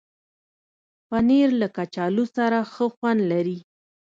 پنېر له کچالو سره ښه خوند لري.